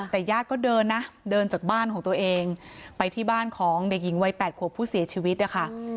แต่ญาติก็เดินนะเดินจากบ้านของตัวเองไปที่บ้านของเด็กหญิงวัย๘ขวบผู้เสียชีวิตนะคะ